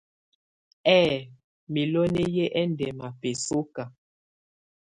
Ɛ̌ɛ miloni yɛ ɛndɛma bɛsɔka.